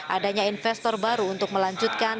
adanya investor baru untuk melanjutkan